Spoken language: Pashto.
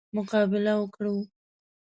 مقابله وکړو.